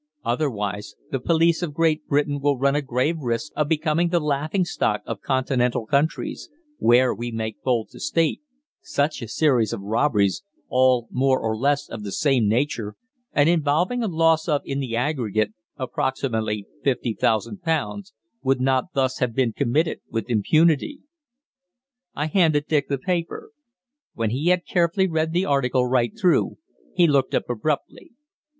Otherwise the police of Great Britain will run a grave risk of becoming the laughing stock of Continental countries, where, we make bold to state, such a series of robberies, all more or less of the same nature, and involving a loss of, in the aggregate, approximately £50,000, would not thus have been committed with impunity. I handed Dick the paper. When he had carefully read the article right through, he looked up abruptly.